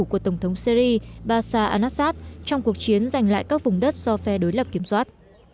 của tổng thống syri basar al nassar trong cuộc chiến giành lại các vùng đất do phe đối lập kiểm soát